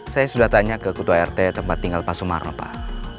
saya sudah tanya ke kutu art tempat tinggal pak sumaro pak